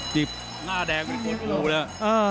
จิบหน้าแดงเป็นคนโดมเลยนะ